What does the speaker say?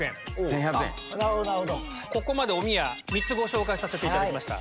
ここまでおみや３つご紹介させていただきました。